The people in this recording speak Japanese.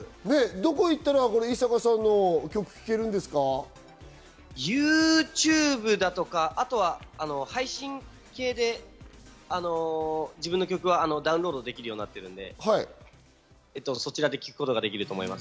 どこに行ったら、井坂さんのＹｏｕＴｕｂｅだとか配信形で自分の曲はダウンロードできるようになってるので、そちらで聴くことができると思います。